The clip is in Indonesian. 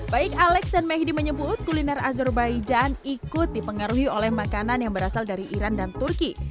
baik alex dan mehdi menyebut kuliner azerbaijan ikut dipengaruhi oleh makanan yang berasal dari iran dan turki